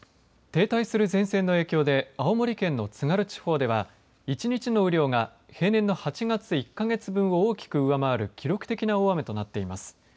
停滞する前線の影響で青森県の津軽地方では１日の雨量が平年の８月１か月分を大きく上回る記録的な大雨となっています。